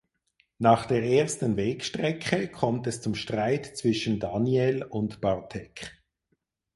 Nach der ersten Wegstrecke kommt es zum Streit zwischen Daniel und Bartek.